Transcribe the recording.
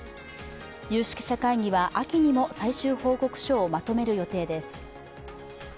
有識者会議は秋にも最終報告書をまとめる予定です。